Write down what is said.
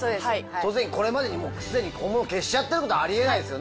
当然これまでにすでに本物消しちゃってることあり得ないですよね。